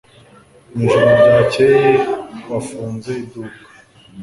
Mwijoro ryakeye wafunze iduka